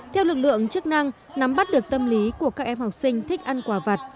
theo lực lượng chức năng nắm bắt được tâm lý của các em học sinh thích ăn quả vặt